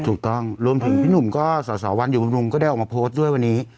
ถูกต้องรวมถึงพี่หนุ่มก็สอสอวัญอยู่บนรุงก็ได้ออกมาโพสต์ด้วยวันนี้